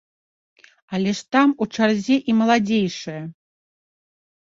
Але ж там у чарзе і маладзейшыя!